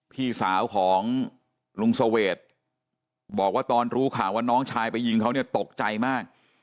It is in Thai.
พี่สาวของลุงเสวดบอกว่าตอนรู้ข่าวว่าน้องชายไปยิงเขาเนี่ยตกใจมาก